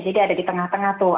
jadi ada di tengah tengah tuh